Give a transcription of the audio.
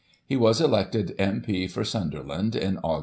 289 He was elected M.P. for Sunderland in Aug.